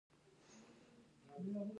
ریحان خط؛ د خط يو ډول دﺉ.